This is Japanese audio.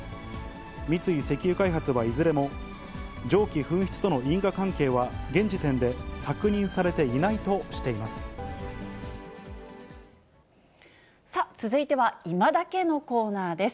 三井石油開発はいずれも蒸気噴出との因果関係は、現時点で確認ささあ、続いてはいまダケッのコーナーです。